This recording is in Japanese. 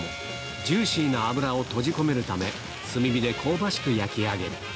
ジューシーな脂を閉じ込めるため、炭火で香ばしく焼き上げる。